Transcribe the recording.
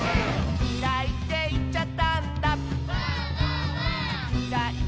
「きらいっていっちゃったんだ」